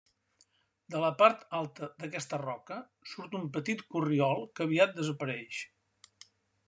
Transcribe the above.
De la part alta d'aquesta roca surt un petit corriol que aviat desapareix.